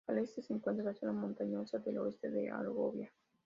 Al este se encuentra la zona montañosa del Oeste de Algovia.